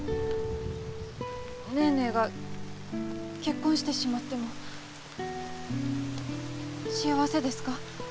ネーネーが結婚してしまっても幸せですか？